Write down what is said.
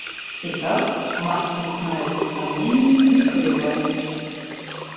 Итак, масса не знает ни сомнений, ни колебаний.